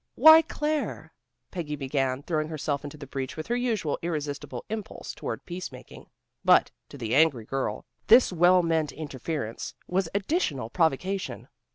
"Why, Claire," Peggy began, throwing herself into the breach with her usual irresistible impulse toward peacemaking, but, to the angry girl, this well meant interference was additional provocation.